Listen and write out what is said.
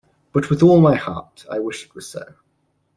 But with all my heart, I wish it was so.